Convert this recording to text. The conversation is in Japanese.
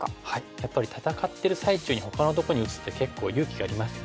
やっぱり戦ってる最中にほかのとこに打つって結構勇気がいりますよね。